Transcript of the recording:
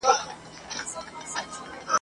همداسي هره وسیله او هر فرصت کاروي !.